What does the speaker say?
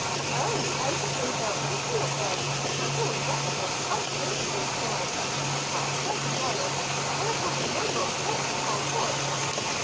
"Oh, I suppose there are fifty of them; and all reckless, unprincipled men. To my certain knowledge, there is not a member of church among them."